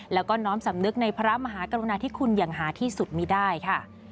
แล้วก็น้อมสำนึกในพระมหากรุณาธิคุณอย่างหาที่สุดมีได้ค่ะ